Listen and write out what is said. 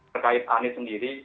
terkait anis sendiri